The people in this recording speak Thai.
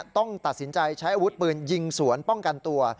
ต้องตัดสินใจใช้อาวุธปืนยิงสวนป้องกันตัว